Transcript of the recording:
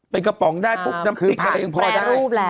เป็นกระป๋องได้พูดปุ๊บน้ำคือแปรรูปแล้ว